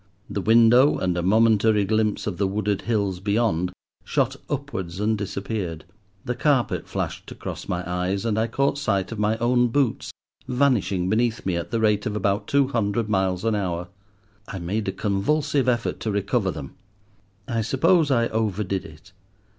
The window and a momentary glimpse of the wooded hills beyond shot upwards and disappeared. The carpet flashed across my eyes, and I caught sight of my own boots vanishing beneath me at the rate of about two hundred miles an hour. I made a convulsive effort to recover them. I suppose I over did it.